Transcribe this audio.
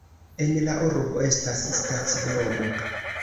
En la urbo estas stacidomo.